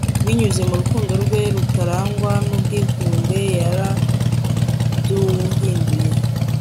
binyuze mu rukundo rwe rutarangwa n'ubwikunde, yaraduhinduye